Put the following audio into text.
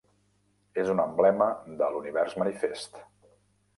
És un emblema de l'univers manifest.